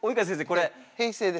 これ。